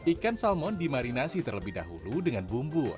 ikan salmon dimarinasi terlebih dahulu dengan bumbu